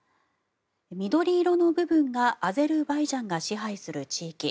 緑色の部分がアゼルバイジャンが支配する地域。